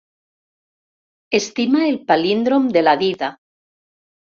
Estima el palíndrom de la dida.